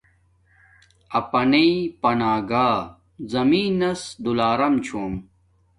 اپناݵ پناگاہ زمین نس دولارم چھوم